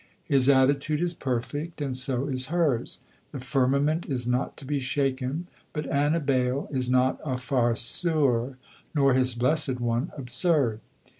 His attitude is perfect, and so is hers. The firmament is not to be shaken, but Annibale is not a farceur, nor his Blessed One absurd.